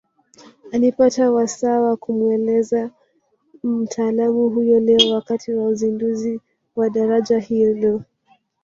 Alipata wasaa wa kumueleza mtaalamu huyo leo wakati wa uzinduzi wa daraja hilo